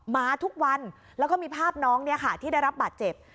มาทุกวันแล้วก็มีภาพน้องที่ได้รับบาดเจ็บ